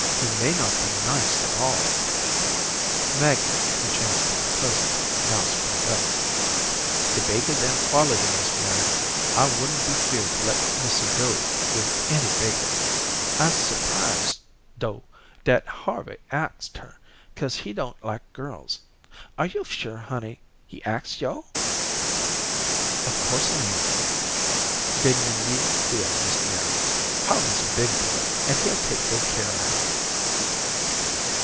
He may not be nice at all." Maggie, who chanced to be present, now spoke up: "De Bakers am quality, Miss Mary. I wouldn't be feared to let missy go wid any Baker. I'se s'prised, do, dat Harvey axed her, 'cause he don't like girls. Are yo' sure, honey, he axed yo'?" "Of course I am." "Den yo' needn't fear, Miss Mary. Harvey's a big boy, and he'll take good care of her."